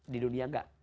di dunia enggak